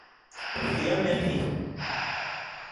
O ne ya mene i?